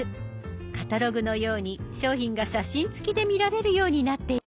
カタログのように商品が写真つきで見られるようになっているんです。